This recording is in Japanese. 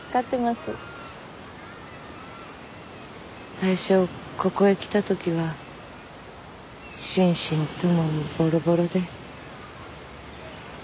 最初ここへ来た時は心身ともにボロボロで。